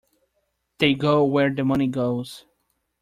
They go where the money goes.